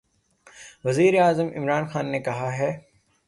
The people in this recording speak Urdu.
وزیراعظم عمران خان نے کہا ہے